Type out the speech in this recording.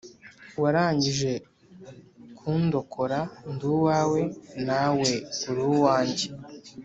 Warangije kundokora nduwawe nawe uri uwanjye